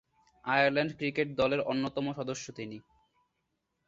Ireland cricket দলের অন্যতম সদস্য তিনি।